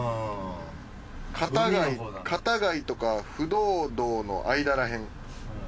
片貝とか不動堂の間らへん。